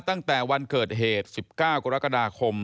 ตั้งแต่วันเกิดเหตุ๑๙กรกฎาคม